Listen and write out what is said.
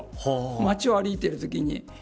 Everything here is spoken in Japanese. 街を歩いているときに。